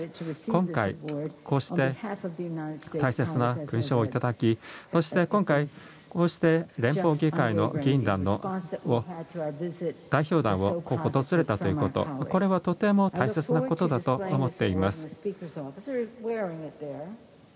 今回、こうして大切な勲章を頂きそして今回、こうして連邦議会の議員代表団が訪れたということこれはとても大切なことだと思っています。